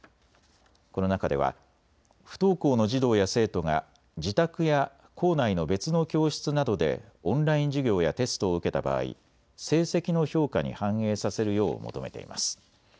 この中では不登校の児童や生徒が自宅や校内の別の教室などでオンライン授業やテストを受けた場合、成績の評価に反映させるよう求めています。